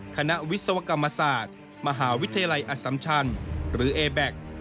คณะวิศวกรรมศาสตร์มหาวิทยาลัยอสัมชันหรือเอแบ็ค